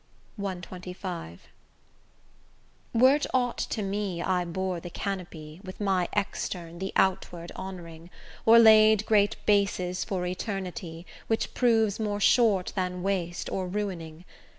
CXXV Were't aught to me I bore the canopy, With my extern the outward honouring, Or laid great bases for eternity, Which proves more short than waste or ruining?